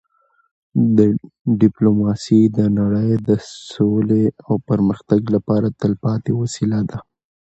ډيپلوماسي د نړی د سولې او پرمختګ لپاره تلپاتې وسیله ده.